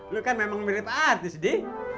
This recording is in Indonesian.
lu kan memang mirip artis di